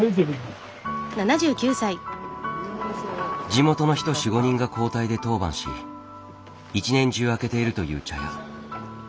地元の人４５人が交代で当番し一年中開けているという茶屋。